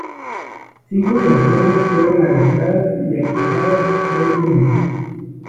Cinco personas fueron arrestadas y acusadas del crimen.